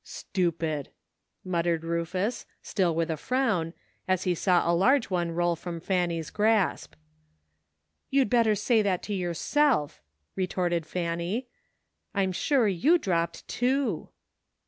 " Stupid !" muttered Ruf us, still with a frown, as he saw a large one roll from Fanny's grasp. " You'd better say that to yourself," retorted Fanny, " I'm sure you dropped two."